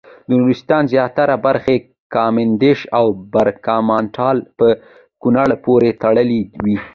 د نورستان زیاتره برخې کامدېش او برګمټال په کونړ پورې تړلې وې.